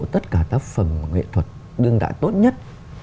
tất cả tác phẩm nghệ thuật đương đại tốt nhất